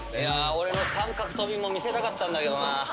俺の三角跳びも見せたかったんだけどな。